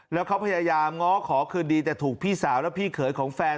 แล้วเขาพยายามง้อขอคืนดีแต่ถูกพี่สาวและพี่เขยของแฟน